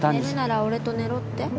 寝るなら俺と寝ろって？